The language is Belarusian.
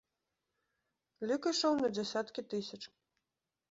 Лік ішоў на дзесяткі тысяч.